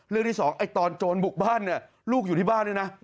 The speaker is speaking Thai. ที่สองไอ้ตอนโจรบุกบ้านเนี่ยลูกอยู่ที่บ้านด้วยนะ